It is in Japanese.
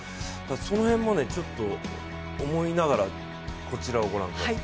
その辺も思いながらこちらをご覧ください。